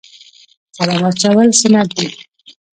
سلام اچول سنت دي